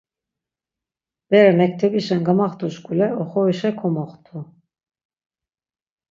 Bere mektebişen gamaxtuşkule oxorişa komoxtu.